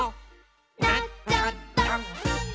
「なっちゃった！」